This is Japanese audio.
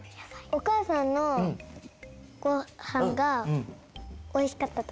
おかあさんのごはんがおいしかったとか？